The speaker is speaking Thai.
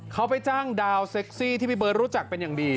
เขาไปจ้างดาวเซ็กซี่ที่พี่เบิร์ตรู้จักเป็นอย่างดี